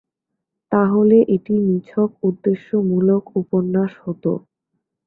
তা হলে এটি নিছক উদ্দেশ্যমূলক উপন্যাস হত।